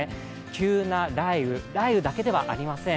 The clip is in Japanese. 急な雷雨だけではありません。